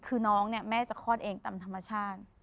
คือน้องเนี่ยแม่จะคลอดเองตามธรรมชาติ